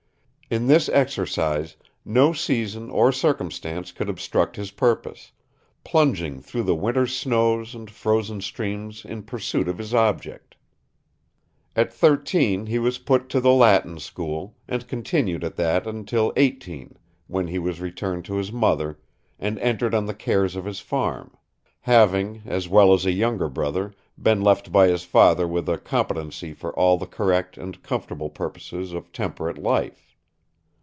In this exercise, no season or circumstance could obstruct his purpose plunging through the winter's snows and frozen streams in pursuit of his object. At thirteen he was put to the Latin school, and continued at that until eighteen, when he was returned to his mother, and entered on the cares of his farm; having, as well as a younger brother, been left by his father with a competency for all the correct and comfortable purposes of temperate life.